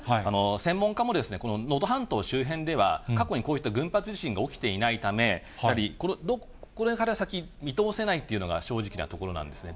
専門家もこの能登半島周辺では、過去にこういった群発地震が起きていないため、これから先見通せないというのが、正直なところなんですね。